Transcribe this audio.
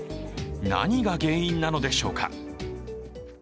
何が原因なのでしょうか。